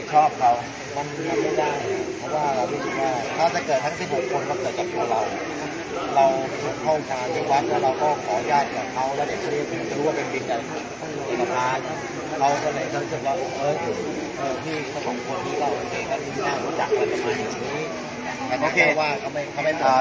สวัสดีครับพี่เบนสวัสดีครับ